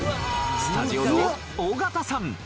スタジオの尾形さん